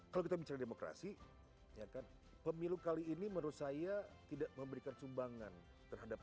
hai kok jadi demokrasinya kan pemilu kali ini menurut saya tidak memberikan sumbangan terhadap